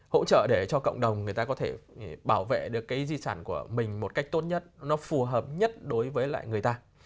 hỗ trợ để cho cộng đồng người ta có thể bảo vệ được cái di sản của mình một cách tốt nhất nó phù hợp nhất đối với lại người ta